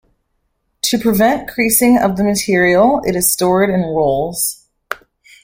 To prevent creasing of the material, it is stored in rolls.